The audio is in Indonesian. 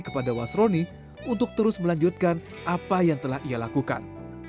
kepada wasroni untuk terus melanjutkan apa yang telah ia lakukan